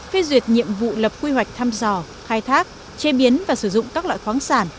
phê duyệt nhiệm vụ lập quy hoạch thăm dò khai thác chế biến và sử dụng các loại khoáng sản